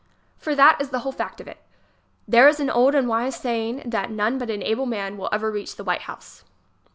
For that is the whole fact of it. There is an old and wise saying that none but an able man will ever reach the White House.